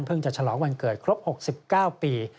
จะฉลองวันเกิดครบ๖๙ปี